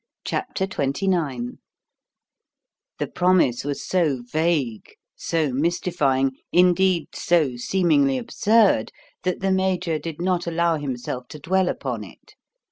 CHAPTER XXIX The promise was so vague, so mystifying, indeed, so seemingly absurd, that the Major did not allow himself to dwell upon it.